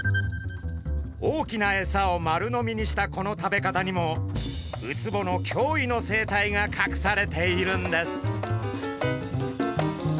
大きなエサを丸飲みにしたこの食べ方にもウツボの驚異の生態がかくされているんです。